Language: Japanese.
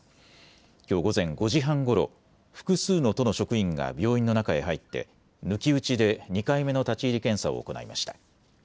きょう午前５時半ごろ、複数の都の職員が病院の中へ入って抜き打ちで２回目の立ち入り検査を行いました。